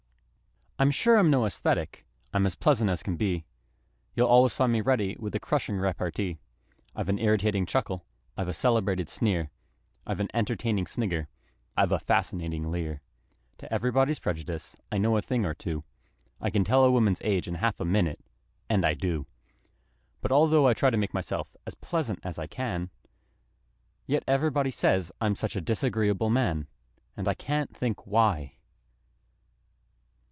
I'm sure I'm no ascetic: I'm as pleasant as can be; You'll always find me ready with a crushing repartee; I've an irritating chuckle; I've a celebrated sneer; I've an entertaining snigger; I've a fascinating leer; To everybody's prejudice I know a thing or two; I can tell a woman's age in half a minute and I do But although I try to make myself as pleasant as I can, Yet everybody says I'm such a disagreeable man! And I can't think why!